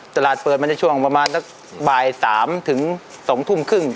ตลาดเปิดมันจะช่วงประมาณสักบ่าย๓ถึง๒ทุ่มครึ่ง